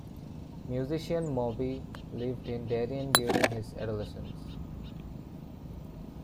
Musician Moby lived in Darien during his adolescence.